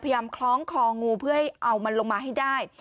คล้องคองูเพื่อให้เอามันลงมาให้ได้